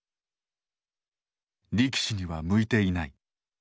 「力士には向いていない」。